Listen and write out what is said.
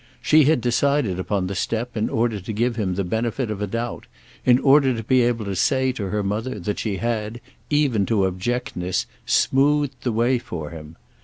She had decided upon the step in order to give him the benefit of a doubt, in order to be able to say to her mother that she had, even to abjectness, smoothed the way for him.